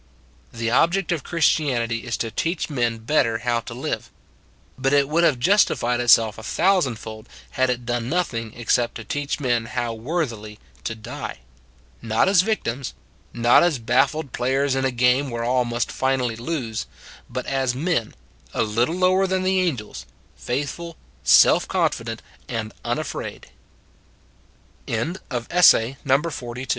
The object of Christianity is to teach men better how to live; but it would have justified itself a thousand fold had it done nothing except to teach men how worthily to die. Not as victims; not as baffled players in a game where all must finally lose; but as men a little lower than the angels faithful